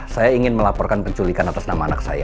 saya ingin melaporkan penculikan atas nama anak saya